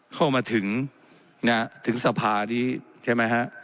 เข้ามาถึงถึงสภานี้ใช่ไหมฮะ